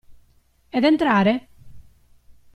Ed entrare?